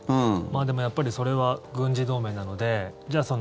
でも、やっぱりそれは軍事同盟なので。